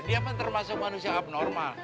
dia pun termasuk manusia abnormal